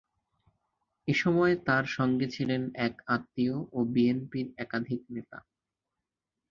এ সময় তাঁর সঙ্গে ছিলেন এক আত্মীয় ও বিএনপির একাধিক নেতা।